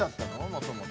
もともと。